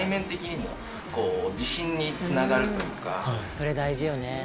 「それ大事よね」